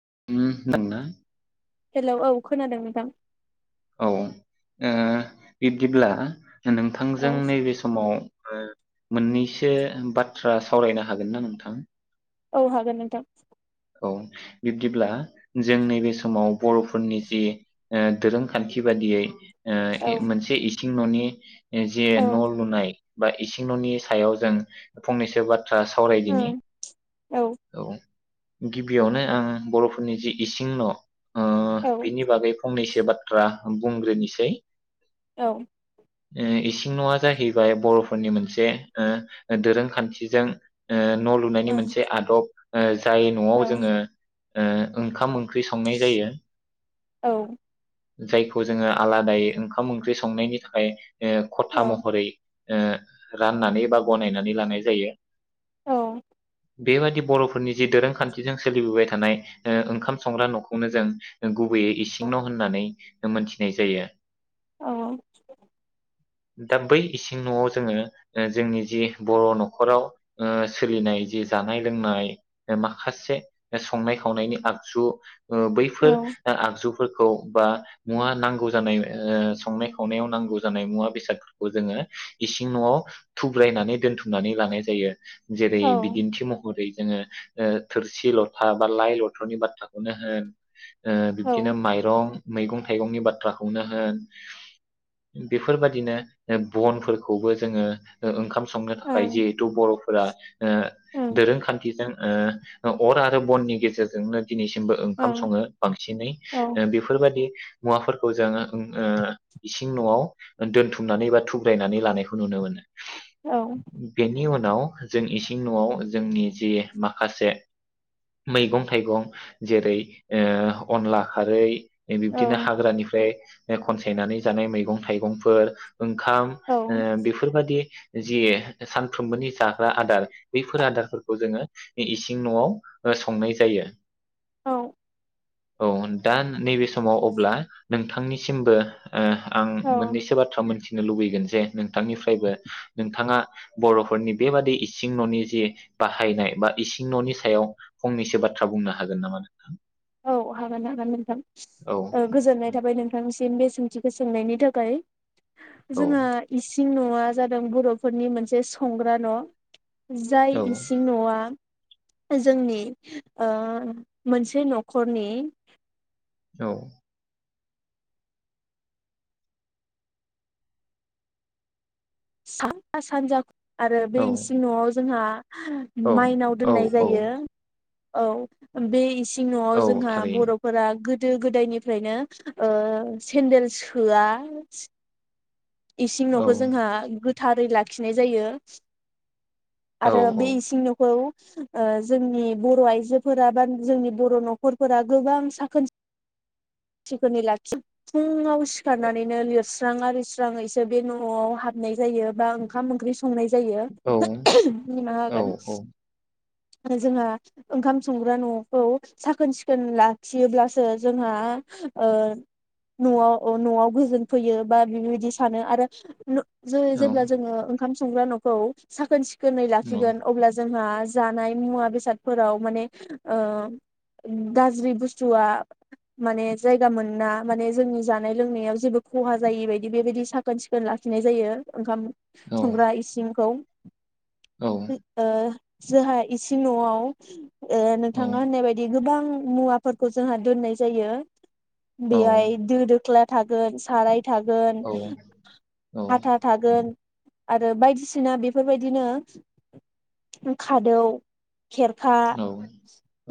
[unintelligible] Hello औ खोनादों नोंथां। औ ओ बिब्दिब्ला नोंथांजों औ नैबे समाव मोननैसो बाथ्रा सावरायनो हागोन ना नोंथां? औ हागोन नोंथां। औ बिब्दिब्ला जों नैबे समाव बर'फोरनि जि दोरोंखान्थि बादियै ओ औ इ मोनसे इस सिं न'नि जे औ न' लुनाय बा इसिं न'नि सायाव जों फंनैसो बा थ्रा सावरायदिनि ओं औ गिबियावनो आं बर'फोरनि जि इसिं न' ओ औ बिनि बागै फंनैसो सो बाथ्रा बुंग्रोनिसै औ। ओ इसिं न'आ जाहैबाय बर'फोरनि मोनसेओ दोरोंखान्थिजों ओ न' लुनायनि औ मोनसे आदब ओ। जाय न'आव औ जोङो ओ ओंखाम ओं ख्रि संनाय जायो। औ जायखौ जोङो आलादायै ओंखाम ओंख्रि संनायनि थाखाय। ओ औ खथा महरै। ओ राननानै बा गनायनानै लानाय जायो। औ। बेबायदि बर'फोरनि। जि दोरोंखान्थिजों सोलिबोबाय थानाय ओ ओंखाम संग्रा न'खौनो जों गुबैयै इसिं न' होननानै मोनथिनाय जायो। औ औ। दा बै इसिं न'आव जोङो ओ जोंनि जि बर' न'खराव ओ सोलिनाय जि जानाय लोंनाय माखासे संनाय खावनायनि आगजु ओ औ बैफोर आगजुफोरखौ खौ बा मुवा नांगौ जानाय ओ संनाय खावनायाव नांगौ जानाय मुवा बेसादफोरखौ जोङो इसिं न'आव थुब्रायनानै दोनथुमनानै लानाय जायो‌। जेरै बिदिन्थि महरै जोङो ओ थोरसि लथा बा लाइ लथ'नि बाथ्राखौनो होन ओ औ ओं औ बिबदिनो माइरं मैगं थाइगंनि बाथ्राखौनो होन बेफोरबादिनो ओ बनफोरखौबो जोङो ओ ओंखाम संनो औ थाखाय जिहेथु बर'फोरा ओ दोरोंखान्थिजों अर आरो बननि गेजेरजोंनो दिनैसिमबो ओंखाम सङो बांसिनै बेफोरबायदि मुवाफोरखौ जों ओ इसिं न'आव दोनथुमनानै बा थुुब्रायनानै लानायखौ नुनो मोनो। बेनि अन नाव जों इसिं न'आव जोंनि जि माखासे मैगं थाइगं जेरै ओ अनला खारै ए बिब्दिनो हाग्रानिफ्राय ओ खनसायनानै जानाय मैगं थाइगंफोर ओंखाम औ बेफोरबादि जि सानफ्रोमबोनि जाग्रा आदार बैफोर आदारफोरखौ जोङो इसिं न'आव संनाय जायो औ औ दा नैबे समाव अब्ला नोंथांनिसिमबो आं औ मोननैसो बाथ्रा मोनथि लुबैगोन जे नोंथांनिफ्रायबो नोंथाङा बर'फोरनि बेबादि इसिं न'नि जि बाहायनाय बा इसिं न'नि सायाव फंनैसो बाथ्रा बुंनो हागोन नामा नोंथां औ हागोन हागोन नोंथां औ गोजोननाय थाबाय नोंथांसिम बेसे सोंथिखौ सोंनायनि थाखाय औ जोङो इसिं न'आ जादों बर'फोरनि मोनसे संग्रा न' जाय इसिं न'आ जोंनि ओ मोनसे न'ख नखरनि [unintelligible] सा सानजा आरो औ बे इसिं न'आव जोंहा औ माइनाव औ दोननाय औ जायो औ बे इसिं सिङाव औ जोंहा थारैनो बर'फोरा गोदो गोदायनिफ्रायनो ओ सेन्देल सोआ इसिं न'खौ जोंहा गोथारै लाखिनाय जायो। औ आरो बे इसिं न'खौ ओ जोंनि बर' आइजोफोरा बा जोंनि बर' न'खरफोरा गोबां साखोन सिखोनै लाखियो फुङाव सिखारनानैनो लिर लिरस्रां [unintelligible] स्राङैसो बे न'आव हाबनाय जायो बा ओंखाम ओंख्रि सङो संनाय जायो औ निमाहा औ होगोन औ जोंहा ओंखाम संग्रा न'खौ साखोन सिखोन लाखियोब्लासो जोंहा न'आव न'आव गोजोन फैयो बा बेबायदि सानो आरो जे औ जेब्ला जोंङो ओंखाम संग्रा न'खौ साखोन सिखोन सिखोनै लाखिगोन अब्ला जों ङा जानाय मुवा बेसादफोराव माने ओ गाज्रि बुुस्थुवा माने जायगा मोनोना जोंनि जानाय लोंनायाव जेबो खहा जायिबादि बेबायदि साखोन सिखोन लाखिनाय जायो ओंखाम संग्रा इसिंखौ । ओ जोहा इसिं न'आव ओ नोंथाङा होननाय बायदि गोबां ङ मुवाफोरखौ जोंहा दोननाय जायो । बेयाय दो दोख्ला थागोन साराय थागोन औ औ हाथा थागोन आरो बायदिसिना बेफोरबायदिनो खादौ खेरखा उम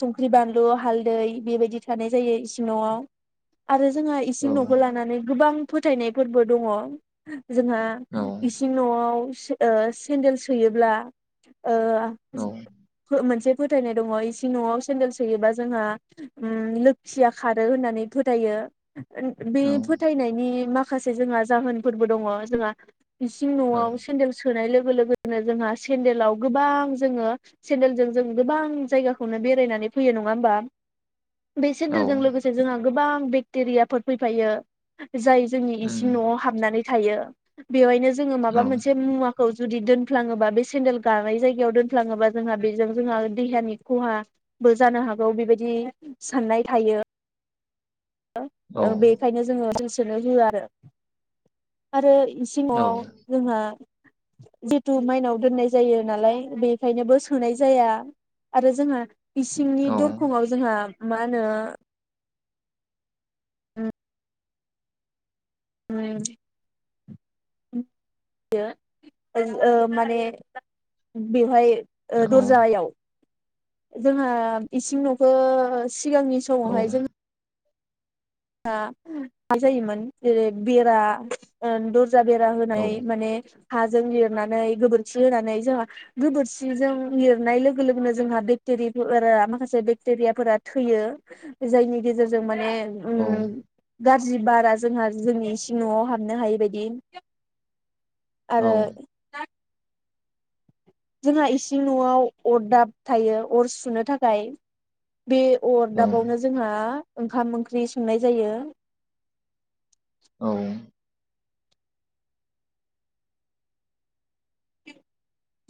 संख्रि बान लु हालदै बेबायदि थानाय जायो इसिं न'आव । आरो जोंहा इसिं न'खौ लानानै गोबां फोथायनायब फोरबो दङ । जोंहा इसिं न'आव सि ओ सेन्देल सोयोब्ला ओ औ उम औ हो मोनसे फोथायनाय दङ इसिं न'आव सेन्देल सोयोबा जोंहा उम लोगखिया खारो होननानै फोथायो । बे फोथायनायनि माख खासे जोंहा जाहोनफोरबो दङ जोंहा इसिं औ न'आव सेन्देल सो सोनाय लोगो लोगोनो जोंहा सेन्देलाव गोबां जोङो सेन्देलजों जों गोबां जायगाखौनो बेरायनानै फैयो नङा होमबा? बे औ सेडेलजों लोगोसे जोंहा गोबां बेक्टेरियाफोर फैफायो जायज जोंनि इसिं न'आव हाबनानै थायो बेवहाय नो जोङो माबा मोनसे मुवा खौ जुदि दोनफ्लाङोबा बे सेन्देल गानाय जायगायाव दोनफ्लाङोबा जोंहा बेजों जोंहा देहानि खहाबो जानो हागौ बेबायदि साननाय थायो । ओ ओं बेखायनो जोङो। सोनो होआ आरो आरो। इसिं न'आव जोंहा। जिथु माइनाव दोननाय जायो नालाय बेखायनोबो सोनाय जाया आरो जोंहा। इसिंनि दरखंआव जोंहा। माहोनो। माने बेवहाय ओ दरजायाव। जोंहा इसिं नखो। सिगांनि समावहाय जों। [unintelligible] सोया बेरा होनाय माने। हाजों लिरनानै गोबोरखि होनानै जोंहा गोबोरखिजों लिरनाय लोगो लोगोनो जोंहा बेक्टेरि माखासे बेक्टेरियाफोरा थैयो जायनि गेजेरजों माने औ। जि बारा जोंहा जोंनि इसिं नआव हाबनो हायै बायदि। आरो। जोंहा इसिं नआव अर दाब थायो अर सुनो थाखाय। बे अर दाबावनो जोंहा। ओंखाम ओंख्रि संनाय जायो। औ।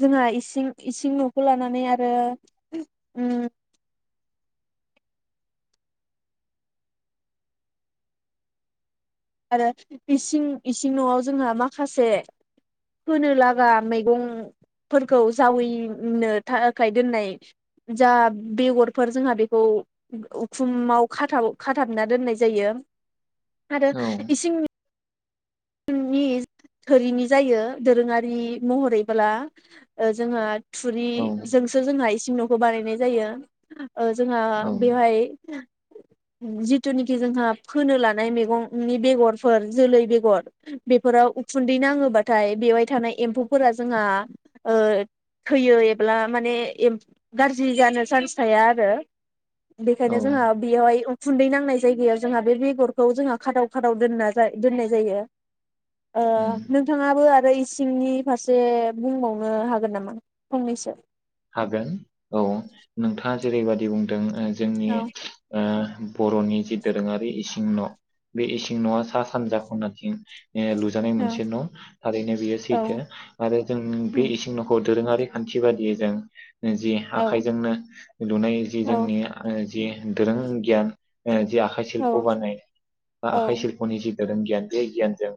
जोंहा इसिं इसिं नखौ लानानै आरो उम। आरो इसिं इसिं नआव जोंहा माखासे होनो लागा मैगंफोरखौ जावैनो थाखाय दोननाय जा बेगरफोर जोंहा बेखौ उखुमाव खाथाब खाथाबना दोननाय जायो आरो इसिं। नि थोरिनि जायो दोरोङारि महरैब्ला जोंहा। थुरिजोंसो जोंहा इसिं न बानायनाय जायो। ओ जोंहा बेवहाय जिथुनिखि जोंहा फोनो लानाय मैगंनि बेगरफोर जोलै बेगर बेफोराव उखुन्दै नाङोबाथाय बेवहाय थानाय एम्फौफोरा जोंहा ओ थैयो एब्ला माने एम्फ गाज्रि जानो चान्स थाया आरो। औ औ बेखायनो जोंहा बेयावहाय खुन्दै नांनाय जायगायाव जोंहा बे बेगरखौ जोंहा खादाव खादाव दोनना दोननाय जायो। ओ उम नोंथाङाबो आरो सिंनि फारसे बुंबावनो हागोन नामा फंनैसो। हागोन औ नोंथाङा जेरैबायादि बुंदों आं जोंनि औ ओ बरनि जि दोरोङारि इसिं न बे इसिं नआ सा सानजा खनाथिं ए लुजानाय औ मोनसे न थारैनो बेयो सैथो औ आरो जों बे उम इसिं नखौ दोरोङारि खान्थि बायदियै जों [inaudible] नो जि औ आखाइजोंनो लुनाय जि औ जोंनि ओ जि दोरों गियान ओ जि आखाइशिल्प औ बानायनाय बा औ आखाइशिल्पनि जि दोरों गियान बे गियानजों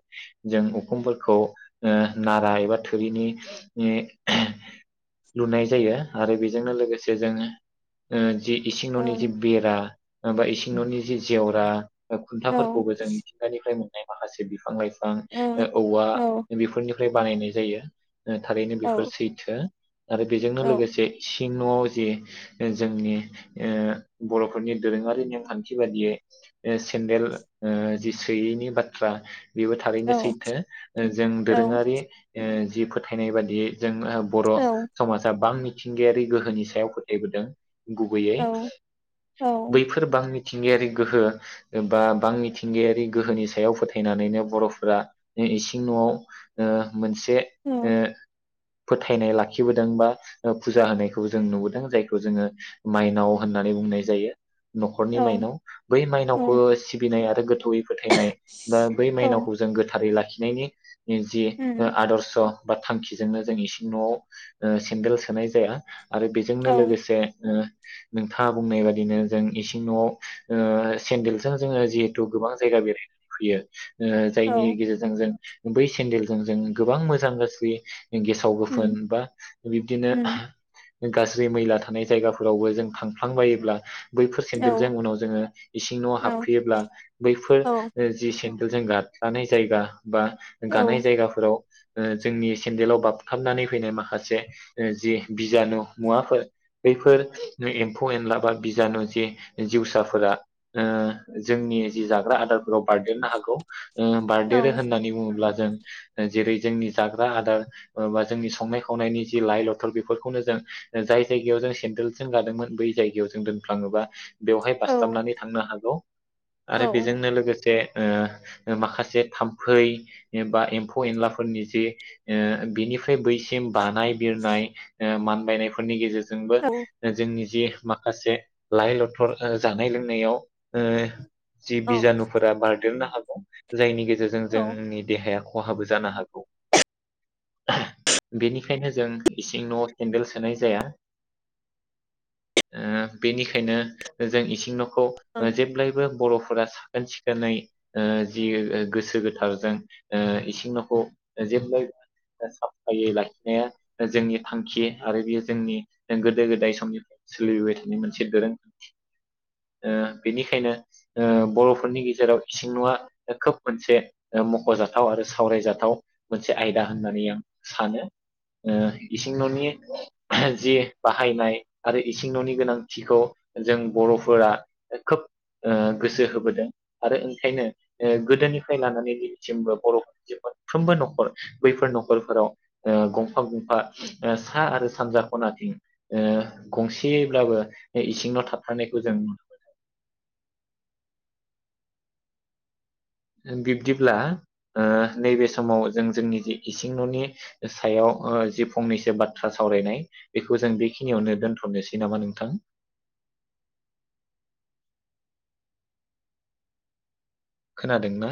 जों उखुमफोरखौ ओ नारा एबा थोरिनि-नि लुनाय जायो आरो बेजोंनो लोगोसे जोङो ओ जि इसिं औ न'नि जे बेरा बा इसिं न'नि जि जेव बा ओ औ खुन्थाफोरखौबो जों मिथिंगानिफ्राय मोन नाय माखासे बिफां लाय फां औ ओ औवा औ बेफोरनि फ्राय बानायनाय जायो। ओ थारैनो औ बेफोर सैथो । आरो बेजोंनो औ लोगोसे इसिं न'आव जे जोंनि ओ बर'फोरनि दोरोङारि नेमखान्थि बायदियै सेन्देल ओ जि सोयैनि बाथ्रा बेबो थारैनो सैथो जों दोरोङारि ओ जि फोथायनाय बादियै जों बर' सा बां मिथिंगायारि गोहोनि सायाव फोथायबोदों। गुबैयै औ बैफोर बांनि मिथिंगायारि गोहो बा बां मिथिंगायारि गोहोनि सायाव फोथायनानैनो बर'फोरा इसिं न'आव ओ मोनसे ओ फोथायनाय लाखि खिबोदों बा फुजा होनायखौ जों नुबोदों जायखौ जोङो माइनाव होननानै बुंनाय जायो। औ न'खरनि माइनाव बै माइनावखौ सिबिनाय आ दा गोथ थौयै फोथायनाय बा बै माइनावखौ जों गोथारै लाखि खिनायनि जि आदर्श बा थांखिजोंनो जों इसिं न'आव ओ सेन्देल सोनाय जाया। आरो बेजोंनो लोगोसे ओ नोंथाङा बुंनाय बादिनो जों इसिं न'आव ओ सेन्देलजों जोङो जिहेथु गोबां जायगा बेरायनानै फैयो ओ जायनि गेजेरजों जों बै सेन्देलजों जों गोबां मोजां गाज्रि गेसाव गोफोन बिबदिनो गाज्रि मैला थानाय जायगाफोरावबो जों थांफ्लांबायोब्ला बैफोर सेन्देलजों उनाव जोङो इसिं न'आव हाबफैयोब्ला बैफोर ओ जि सेन जों गादलानाय जायगा बा गानाय जायगाफोराव जोंनि सेन्देलाव बाबथाबनानै फैनाय माखा खासे ओ जि बिजानु मुवाफोर बैफोर ओ एम्फौ एनला बा बिजानु जि जिउसाफोरा ओ जोंनि जि जाग्रा आदारफोराव बारदेरनो हागौ ओ बारदेरो होननानै बुङोब्ला जों जेरै जोंनि जाग्रा आदार बा जोंनि संनाय खावनायनि जि लाइ लथर बेफोरखौनो जों ओ जाय जायगायाव जों सेन्देलजों गादोंमोन बै जायगायाव जों दोनफ्लाङोबा बेवहाय बासथाबनानै थांनो हागौ आरो बेजोंनो लोगोसे ओ ओ माखासे थाम्फै बा एम्फौ एनलाफोरनि जे ओ बिनिफ्राय बैसि बानाय बिरनाय ओ मान बायनायफोरनि गेजेर जोंबो ओ जोंनि जे माखासे लइ लथर ओ जानाय लोंनायाव ओ जि बिजानुफोरा बारदेरनो हा जायनि गेजेर जों जोंनि देहाया ख खहाबो जानो हागौ। बेनिखायनो जों इसिं न'आव सेन्देल सोनाय जाया ओ बेनिखायनो जों इसिं न' खौ ओ ओं जेब्लायबो बर'फोरा साखोन सिखोनै ओ जि ओ गोसो गोथारजों ओ इसिं न'खौ ओ जेब्लबो ओ साब फायै लाखिनाया ओ जोंनि थांखि आरो बेयो जोंनि गोदो गोदाय समनि सोलिबोबाय थानाय मोनसे दोरों ओ बेनिखायनो ओ बर'फोरनि गेजेराव इसिं न'आ खोब मोनसे ओ मख'जाथाव आरो सावरायजाथाव मोनसे आयदा होननानै आं सानो ओ इसिं न'नि जि बाहायनाय आरो इसिं न'नि गोनांथिखौ जों बर'फोरा खोब ओ गोसो होबोदों आरो ओंखायनो ओ गोदोनिफ्राय लानानै दिनैसिमबो बर'फोरनि मोनफ्रोमबो नखर बैफोर न'खर ख'रफोराव ओ गंफा गंफा ओ सा आरो सानजा खनाथिं ओ गंसेब्लाबो ए इसिं न' थाथारानायखौ जों नुनो मोनो। ओम बिब्दिब्ला ओ नैबे समाव जों जोंनि जे इसिं न'नि सायाव ओ जि फंनैसो बाथ्रा सावरायनाय बेखौ जों बेखिनियावनो दोनथ'नोसै नामा नोंथां। खोनादों ना?